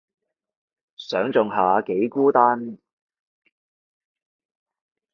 想像下幾孤單